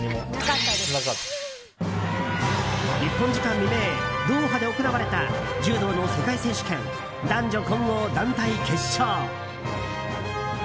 日本時間未明ドーハで行われた柔道の世界選手権男女混合団体決勝。